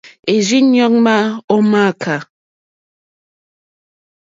È rzí ɲɔ́ ŋmá mó mááká.